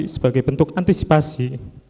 sebagai bentuk antisipasi